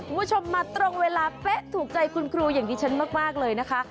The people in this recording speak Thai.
คุณผู้ชมมาตรงเวลาเป๊ะถูกใจคุณครูอย่างดิฉันมากเลยนะคะ